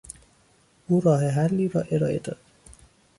او راه حلی را ارائه داد.